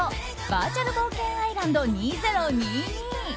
バーチャル冒険アイランド２０２２。